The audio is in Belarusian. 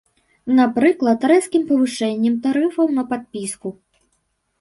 Напрыклад, рэзкім павышэннем тарыфаў на падпіску.